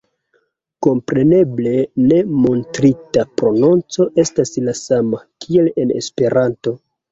Kompreneble, ne montrita prononco estas la sama, kiel en Esperanto.